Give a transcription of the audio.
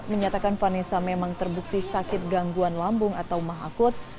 menyatakan vanessa memang terbukti sakit gangguan lambung atau mah akut